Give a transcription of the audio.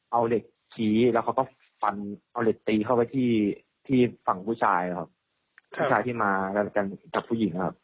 เอาเหล็กชี้แล้วเขาก็ฟันเอาเหล็กตีเข้าไปที่ที่ฝั่งผู้ชายครับผู้ชายที่มากันกับผู้หญิงครับ